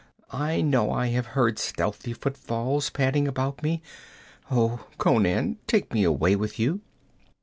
I know I have heard stealthy footfalls padding about me oh, Conan, take me away with you!